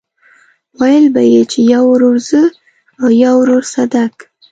ويل به يې چې يو ورور زه او يو ورور صدک.